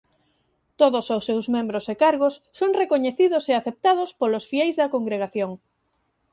Todos os seus membros e cargos son recoñecidos e aceptados polos fieis da congregación.